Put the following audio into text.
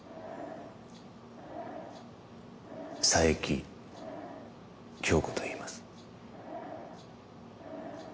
佐伯杏子と言います。